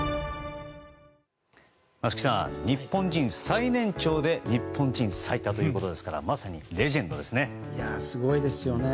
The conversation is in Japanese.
松木さん、日本人最年長で日本人最多ということですからまさにレジェンドですね。